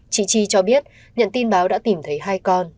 chị chi cho biết nhận tin báo đã tìm thấy hai con